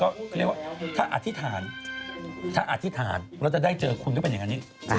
ก็เรียกว่าถ้าอธิษฐานเราจะได้เจอคุณก็เป็นอย่างนี้